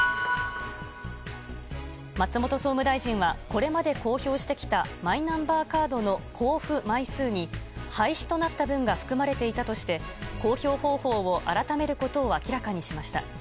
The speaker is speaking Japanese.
松本総務大臣はこれまで公表してきたマイナンバーカードの交付枚数に廃止となった分が含まれていたとして公表方法を改めることを明らかにしました。